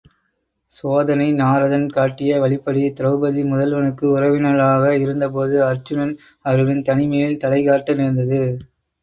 சோதனை நாரதன் காட்டிய வழிப்படி திரெளபதி முதல்வனுக்கு உறவினளாக இருந்தபோது அருச்சுனன் அவர்களின் தனிமையில் தலைகாட்ட நேர்ந்தது.